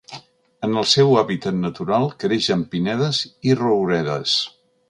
En el seu hàbitat natural, creix en pinedes i rouredes.